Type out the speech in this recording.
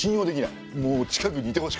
もう近くにいてほしくない。